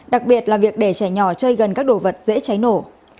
đặc biệt là việc để trẻ nhỏ chơi gần các đồ vật dễ cháy nổ